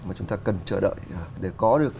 mà chúng ta cần chờ đợi để có được